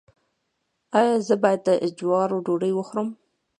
ایا زه باید د جوارو ډوډۍ وخورم؟